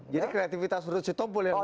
jadi kreativitas ruhut sitompul ya pak